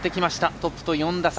トップと４打差。